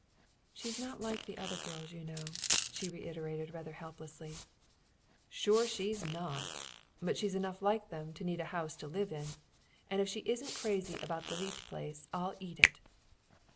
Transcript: "She's not like the other girls you know," she reiterated rather helplessly. "Sure she's not! But she's enough like them to need a house to live in. And if she isn't crazy about the Leete place I'll eat it."